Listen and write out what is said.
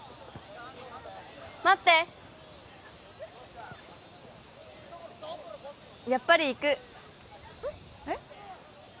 待ってやっぱり行くえっ？